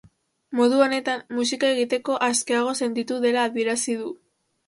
Modu honetan, musika egiteko askeago sentitu dela adierazi du.